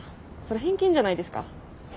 それ偏見じゃないですか。